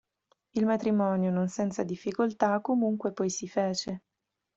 Il matrimonio, non senza difficoltà, comunque poi si fece.